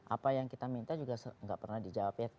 apa yang kita minta juga nggak pernah dijawab ya